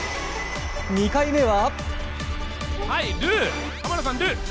２回目は。